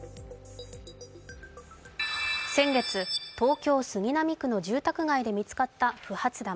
先月、東京・杉並区の住宅街で見つかった不発弾。